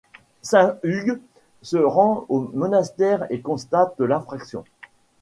Saint Hugues se rend au monastère et constate l'infraction.